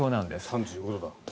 ３５度だ。